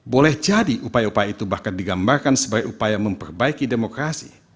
boleh jadi upaya upaya itu bahkan digambarkan sebagai upaya memperbaiki demokrasi